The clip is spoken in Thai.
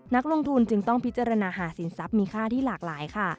นักลงทุนจึงต้องพิจารณาหาสินทรัพย์มีค่าที่หลากหลายค่ะ